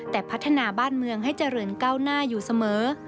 แต่พัฒนาบ้านเมืองให้เจริญก้าวหน้าอยู่เสมอ